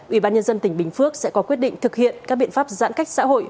ủy ban nhân dân tỉnh bình phước sẽ có quyết định thực hiện các biện pháp giãn cách xã hội